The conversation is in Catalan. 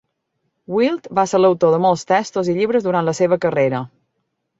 Wyld va ser l'autor de molts textos i llibres durant la seva carrera.